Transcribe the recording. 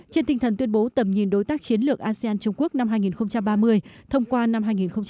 trên tinh thần tuyên bố tầm nhìn đối tác chiến lược asean trung quốc năm hai nghìn ba mươi thông qua năm hai nghìn hai mươi